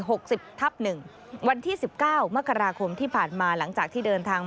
หกสิบทับหนึ่งวันที่สิบเก้ามกราคมที่ผ่านมาหลังจากที่เดินทาง